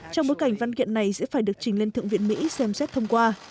trong bối cảnh văn kiện này sẽ phải được trình lên thượng viện mỹ xem xét thông qua